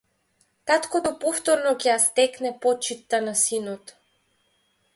Таткото повторно ќе ја стекне почитта на синот.